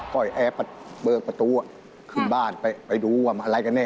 ก็แอบเบิกประตูขึ้นบ้านไปดูว่าอะไรกันแน